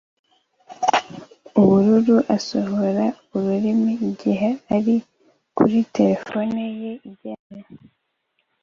ubururu asohora ururimi igihe ari kuri terefone ye igendanwa